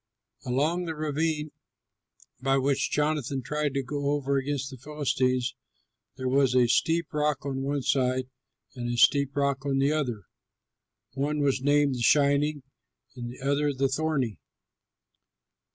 Along the ravine by which Jonathan tried to go over against the Philistines there was a steep rock on one side, and a steep rock on the other; one was named The Shining, and the other The Thorny.